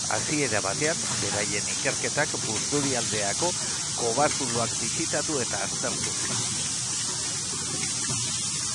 Hasiera batean beraien ikerketak, Busturialdeako kobazuloak bisitatu eta aztertu zituzten.